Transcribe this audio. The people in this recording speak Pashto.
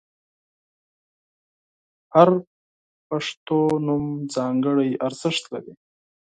• هر پښتو نوم ځانګړی ارزښت لري.